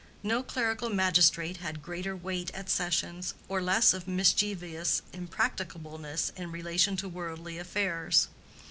No clerical magistrate had greater weight at sessions, or less of mischievous impracticableness in relation to worldly affairs.